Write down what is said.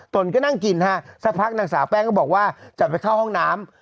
นก็นั่งกินฮะสักพักนางสาวแป้งก็บอกว่าจะไปเข้าห้องน้ำ